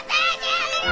やめろ！